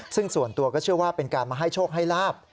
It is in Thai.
ซึ่งส่วนตัวก็เชื่อว่าเป็นการมาให้โชคให้ลาบ